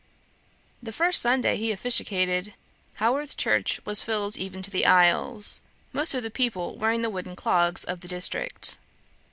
The first Sunday he officiated, Haworth Church was filled even to the aisles; most of the people wearing the wooden clogs of the district.